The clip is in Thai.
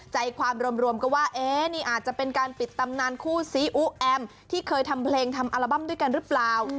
ใจความรวมก็ว่านี่อาจจะเป็นการปิดตำนานคู่ซีอุแอมที่เคยทำเพลงทำอัลบั้มด้วยกันหรือเปล่า